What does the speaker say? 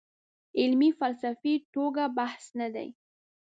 علمي فلسفي توګه بحث نه دی.